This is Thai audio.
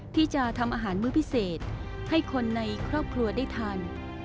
ที่จะทำอาหารมื้อพิเศษให้คนในครอบครัวได้ทาน